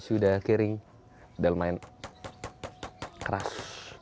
sudah kering udah lumayan keras